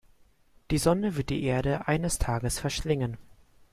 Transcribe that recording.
Die Sonne wird die Erde eines Tages verschlingen.